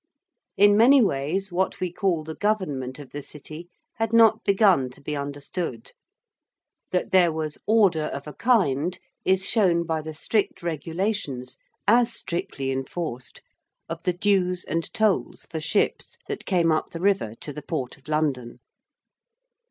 In many ways what we call the government of the City had not begun to be understood. That there was order of a kind is shown by the strict regulations, as strictly enforced, of the dues and tolls for ships that came up the river to the Port of London.